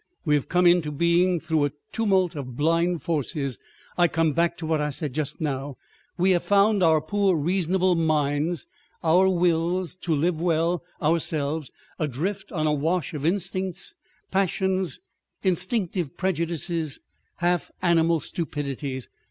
We have come into being through a tumult of blind forces. ... I come back to what I said just now; we have found our poor reasonable minds, our wills to live well, ourselves, adrift on a wash of instincts, passions, instinctive prejudices, half animal stupidities.